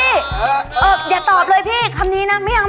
อย่าตอบเลยพี่คำนี้นะไม่เอา